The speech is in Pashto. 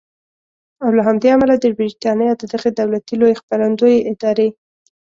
او له همدې امله د بریټانیا د دغې دولتي لویې خپرندویې ادارې